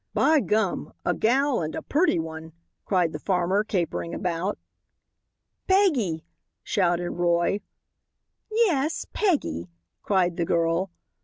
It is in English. "By gum, a gal and a purty one!" cried the farmer capering about. "Peggy!" shouted Roy. "Yes, Peggy," cried the girl.